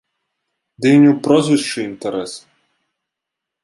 Ды і не ў прозвішчы інтарэс!